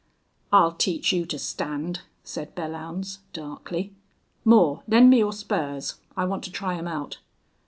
"I'll teach you to stand," said Belllounds, darkly. "Moore, lend me your spurs. I want to try him out."